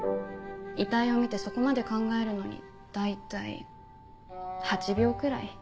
遺体を見てそこまで考えるのに大体８秒くらい。